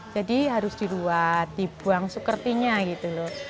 jadi harus diluat dibuang sekertinya gitu loh